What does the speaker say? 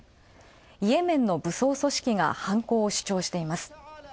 イエメンの武装組織が犯行を主張しています。